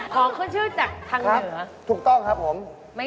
ของขึ้นชื่อจากทางเหนือถูกต้องครับผม